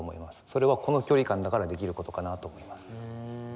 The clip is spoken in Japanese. それはこの距離感だからできる事かなと思います。